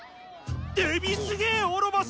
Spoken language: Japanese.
デビすげーオロバス。